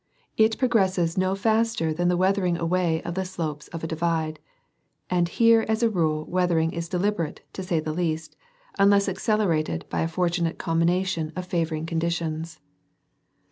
It progresses no faster than the weathering away of the slopes of a divide, and here as a rule weathering is deliberate to say the least, unless accelerated by a fortunate com bination of favoring conditions.